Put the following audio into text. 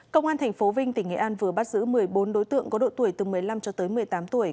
công an tp vinh tỉnh nghệ an vừa bắt giữ một mươi bốn đối tượng có độ tuổi từ một mươi năm cho tới một mươi tám tuổi